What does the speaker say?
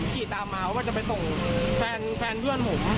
ขี่ตามมาว่าจะไปส่งแฟนเพื่อนผม